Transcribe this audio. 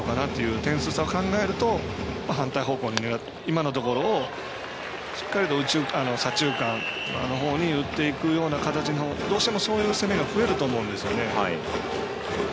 点数差を考えると反対方向、今のところをしっかり左中間のほうに打っていくような形のどうしても、そういう攻めが増えると思うんです。